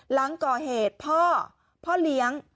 หลังก่อเหตุพ่อพ่อเลี้ยง